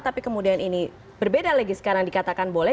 tapi kemudian ini berbeda lagi sekarang dikatakan boleh